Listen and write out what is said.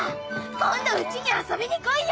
今度うちに遊びに来いよ。